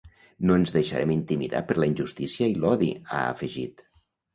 No ens deixarem intimidar per la injustícia i l’odi, ha afegit.